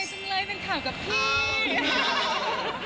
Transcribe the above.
จังเลยเป็นข่าวกับพี่